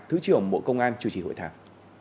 thứ trưởng bộ công an chủ trì hội thảo